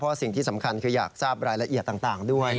สิ่งที่สำคัญคืออยากทราบรายละเอียดต่างด้วย